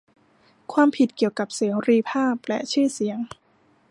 ความผิดเกี่ยวกับเสรีภาพและชื่อเสียง